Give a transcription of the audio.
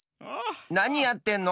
なにやってんの？